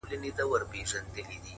یو چا راته ویلي ول چي